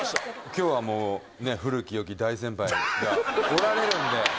今日はもう古き良き大先輩が来られるんで。